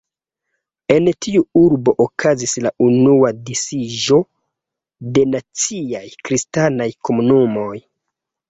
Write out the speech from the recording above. En tiu urbo okazis la unua disiĝo de naciaj kristanaj komunumoj.